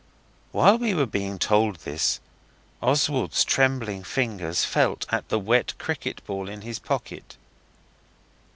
While we were being told this Oswald's trembling fingers felt at the wet cricket ball in his pocket.